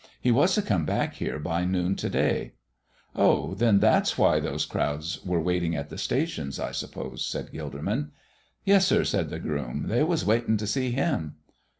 He was to come back here by noon to day." "Oh, then that's why all those crowds were waiting at the stations, I suppose," said Gilderman. "Yes, sir," said the groom. "They was waiting to see Him."